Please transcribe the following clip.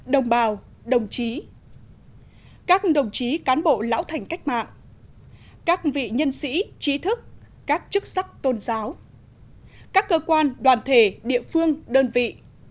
đồng bào đồng chí các đồng chí cán bộ lão thành cách mạng các vị nhân sĩ trí thức các chức sắc tôn giáo các cơ quan đoàn thể địa phương đơn vị